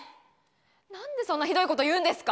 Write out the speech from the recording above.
なんでそんなひどいこと言うんですか？